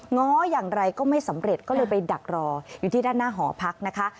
ง้ออย่างไรก็ไม่สำเร็จก็เลยไปดักรออยู่ที่ด้านหน้าหอพักนะคะ